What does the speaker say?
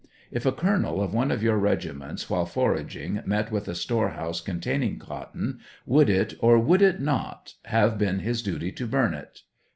If a Colonel of one of your regiments, while forag ing, met with a store house containing cotton, would it, or would it not, have been his duty to burn it